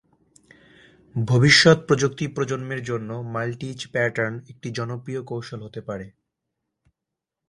ভবিষ্যৎ প্রযুক্তি প্রজন্মের জন্য মাল্টি-ইচ প্যাটার্ন একটি জনপ্রিয় কৌশল হতে পারে।